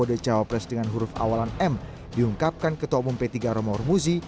kode cawapres dengan huruf awalan m diungkapkan ketua umum p tiga romahur muzi